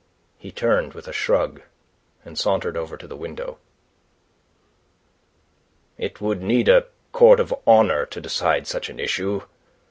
He turned with a shrug, and sauntered over to the window. "It would need a court of honour to decide such an issue.